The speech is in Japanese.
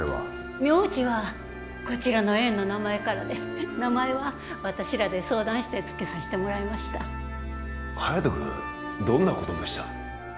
名字はこちらの園の名前からで名前は私らで相談してつけさしてもらいました隼人君どんな子どもでした？